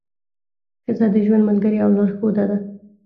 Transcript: ښځه د ژوند ملګرې او لارښوده ده.